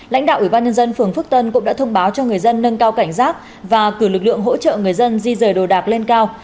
lãnh đạo ủy ban nhân dân phường phước tân cũng đã thông báo cho người dân nâng cao cảnh giác và cử lực lượng hỗ trợ người dân di rời đồ đạc lên cao